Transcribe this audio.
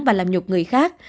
và làm nhục người khác